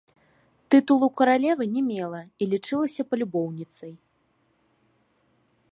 Тытулу каралевы не мела і лічылася палюбоўніцай.